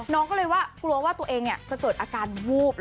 น้องก็เลยว่ากลัวว่าตัวเองจะเกิดอาการวูบ